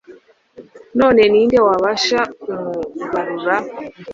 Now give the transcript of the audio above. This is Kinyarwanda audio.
none ni nde wabasha kumugarura